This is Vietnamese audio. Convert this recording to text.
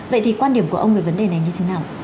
vậy thì quan điểm của ông về vấn đề này như thế nào